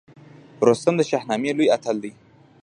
رستم د شاهنامې لوی اتل دی